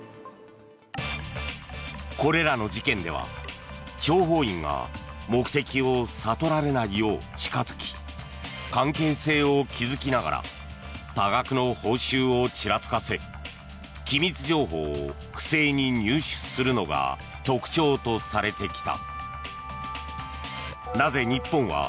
これらの事件では、諜報員が目的を悟られないよう近づき関係性を築きながら多額の報酬をちらつかせ機密情報を不正に入手するのが特徴とされてきた。